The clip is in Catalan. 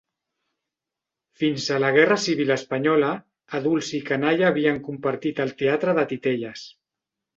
Fins a la Guerra Civil espanyola, adults i canalla havien compartit el teatre de titelles.